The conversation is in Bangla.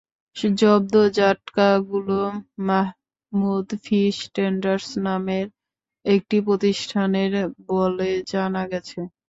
জব্দ জাটকাগুলো মাহমুদ ফিশ ট্রেডার্স নামের একটি প্রতিষ্ঠানের বলে জানা গেছে।